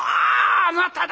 あなただ！